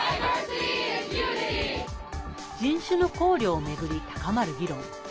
人種の考慮を巡り高まる議論。